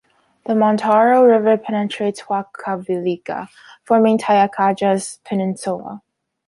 The Mantaro River penetrates Huancavelica, forming Tayacaja's Peninsula.